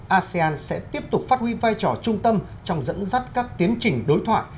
asean sẽ tiếp tục phát huy vai trò trung tâm trong dẫn dắt các tiến trình đối thoại